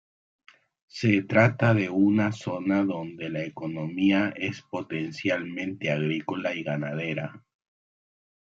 Se trata de una zona donde la economía es potencialmente agrícola y ganadera.